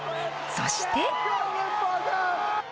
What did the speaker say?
そして。